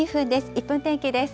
１分天気です。